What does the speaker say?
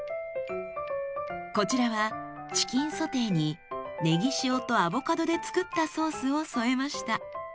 こちらはチキンソテーにねぎ塩とアボカドで作ったソースを添えました。